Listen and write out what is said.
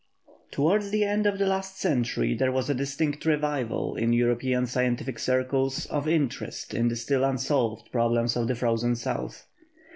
Towards the end of the last century there was a distinct revival, in European scientific circles, of interest in the still unsolved problems of the frozen South.